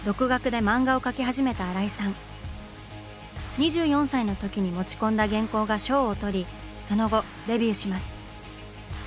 ２４歳の時に持ち込んだ原稿が賞をとりその後デビューします。